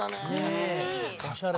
おしゃれ。